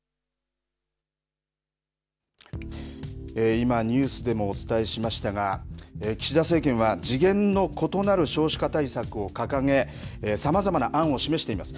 今、ニュースでもお伝えしましたが岸田政権は次元の異なる少子化対策を掲げさまざまな案を示しています。